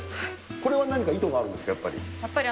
これは何か意図があるんですか、やっぱり。